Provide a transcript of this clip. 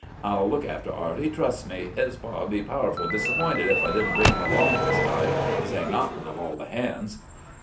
I'll look after Arty, trust me. His pa'd be powerful disapp'inted if I didn't bring him along this time, to say nawthin' of all the hands!